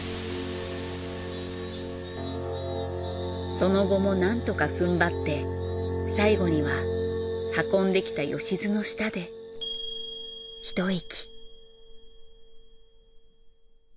その後もなんとか踏ん張って最後には運んできたよしずの下でひと息。